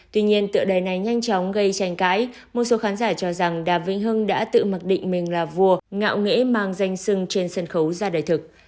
tuy nhiên tựa đề này nhanh chóng gây tranh cãi một số khán giả cho rằng đàm vĩnh hưng đã tự mặc định mình là vua ngạo nghĩa mang danh sưng trên sân khấu ra đời thực